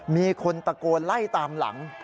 มีคนตะโกนไล่ตามหลัง